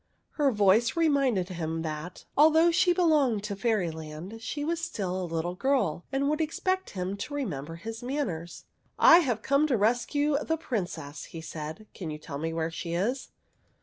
Her voice reminded him that, although she belonged to Fairyland, she was still a little girl and would expect him to re member his manners. " I have come to rescue the Princess," he said. " Can you tell me where she is?"